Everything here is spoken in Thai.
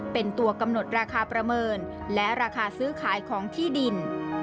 เป็นตัวกำหนดราคาประเมินและราคาซื้อขายของที่ดิน